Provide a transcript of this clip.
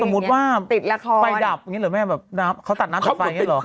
เขาก็คือแบบสมมุติว่าไปดับอย่างนี้เหรอแม่แบบน้ำเขาตัดน้ำตัดไฟอย่างนี้เหรอ